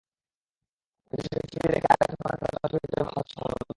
কিন্তু সেসব সরিয়ে রেখে আরেকটি টুর্নামেন্টে খেলার জন্য তৈরি হতে হচ্ছে মামুনুলদের।